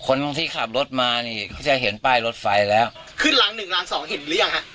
คนที่ขับรถมานี่ก็จะเห็นป้ายรถไฟแล้วขึ้นหลังหนึ่งหลังสองเห็นหรือยังฮะ